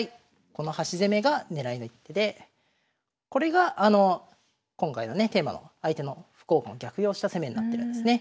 この端攻めが狙いの一手でこれが今回のねテーマの相手の歩交換を逆用した攻めになってるんですね。